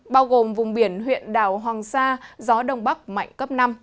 bao gồm vùng biển huyện đảo hoàng sa gió đông bắc mạnh cấp năm